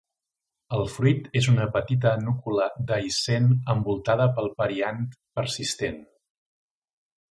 El fruit és una petita núcula dehiscent, envoltada pel periant persistent.